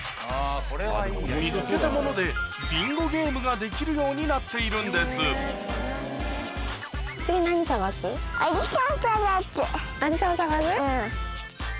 見つけたものでビンゴゲームができるようになっているんですアリさん探す？